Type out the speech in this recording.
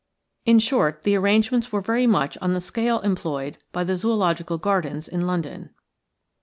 In short, the arrangements were very much on the scale employed by the Zoological Gardens in London.